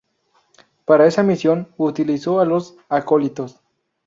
Para esa misión, utilizó a los Acólitos.